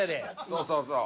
そうそうそう。